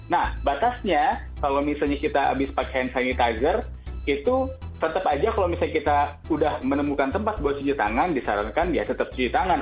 nah batasnya kalau misalnya kita habis pakai hand sanitizer itu tetap aja kalau misalnya kita udah menemukan tempat buat cuci tangan disarankan ya tetap cuci tangan